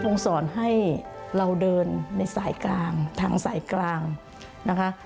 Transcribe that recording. สอนให้เราเดินในสายกลางทางสายกลางนะคะ